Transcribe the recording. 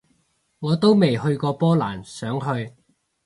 我都未去過波蘭，想去